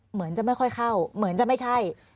เหมือนจะไม่ค่อยเข้าเหมือนจะไม่ใช่